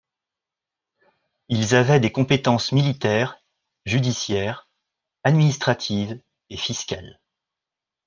Ils avaient des compétences militaires, judiciaires, administratives et fiscales.